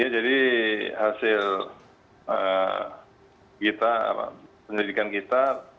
jadi hasil penyidikan kita